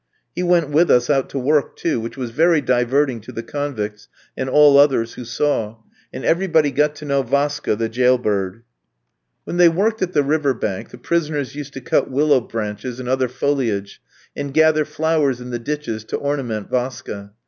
He went with us out to work too, which was very diverting to the convicts and all others who saw; and everybody got to know Vaska, the jailbird. When they worked at the river bank, the prisoners used to cut willow branches and other foliage, and gather flowers in the ditches to ornament Vaska.